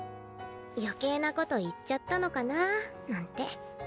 余計なこと言っちゃったのかなあなんて。